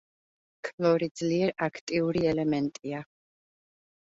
ქლორი ძლიერ აქტიური ელემენტია.